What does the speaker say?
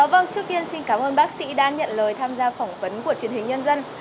vâng trước tiên xin cảm ơn bác sĩ đã nhận lời tham gia phỏng vấn của truyền hình nhân dân